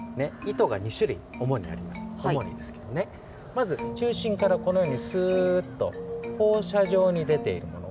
まず中心からこのようにすーっと放射状に出ているもの